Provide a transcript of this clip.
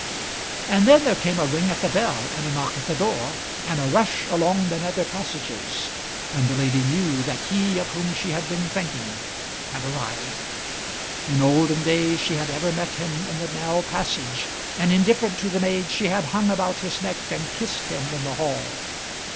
And then there came a ring at the bell and a knock at the door, and a rush along the nether passages, and the lady knew that he of whom she had been thinking had arrived. In olden days she had ever met him in the narrow passage, and, indifferent to the maid, she had hung about his neck and kissed him in the hall.